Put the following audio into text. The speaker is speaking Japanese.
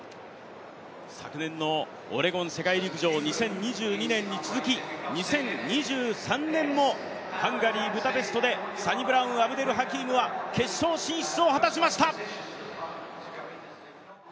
昨年のオレゴン世界陸上２０２２年に続き、２０２３年もハンガリー・ブダペストでサニブラウン・アブデル・ハキームは決勝進出を果たしました。